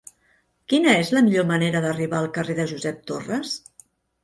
Quina és la millor manera d'arribar al carrer de Josep Torres?